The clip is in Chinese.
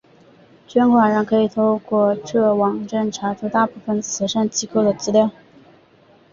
捐款人可以透过这网站查出大部份慈善机构的资料。